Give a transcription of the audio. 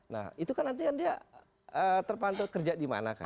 nah itu kan nanti kan dia terpantau kerja di mana kan